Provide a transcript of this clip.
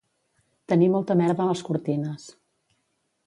Tenir molta merda a les cortines